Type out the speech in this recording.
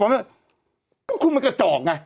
็นได้ว่าคุณเป็นกระจอกไง